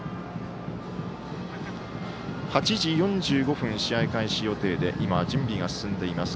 ８時４５分、試合開始予定で今、準備が進んでいます